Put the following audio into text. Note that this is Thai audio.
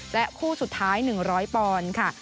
และคู่สุดท้ายหนึ่งร้อยปอนด์ค่ะ